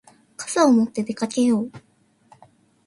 傘を持って出かけよう。